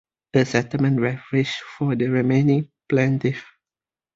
A settlement was reached for the remaining plaintiffs.